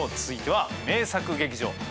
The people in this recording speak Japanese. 続いては名作劇場。